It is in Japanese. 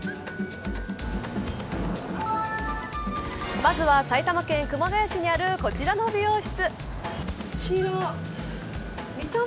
まずは、埼玉県熊谷市にあるこちらの美容室。